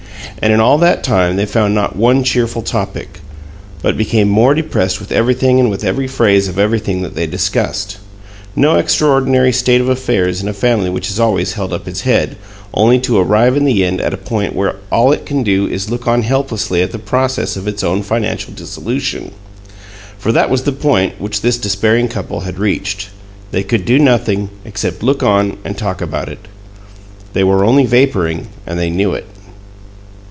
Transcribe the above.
And in all that time they found not one cheerful topic, but became more depressed with everything and with every phase of everything that they discussed no extraordinary state of affairs in a family which has always "held up its head," only to arrive in the end at a point where all it can do is to look on helplessly at the processes of its own financial dissolution. For that was the point which this despairing couple had reached they could do nothing except look on and talk about it. They were only vaporing, and they knew it.